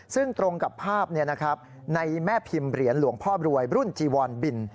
ซึ่งตรงกับภาพในแม่พิมพ์เหรียญหลวงพ่อรวยรุ่นจีวอนบิน